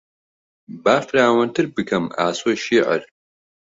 با فراوانتر بکەم ئاسۆی شێعر